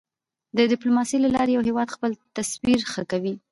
د ډیپلوماسی له لارې یو هېواد خپل تصویر ښه کوی.